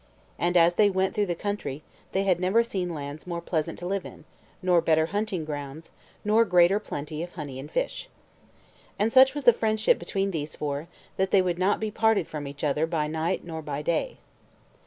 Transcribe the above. And as they went through the country, they had never seen lands more pleasant to live in, nor better hunting grounds, nor greater plenty of honey and fish. And such was the friendship between these four, that they would not be parted from each other by night nor by day.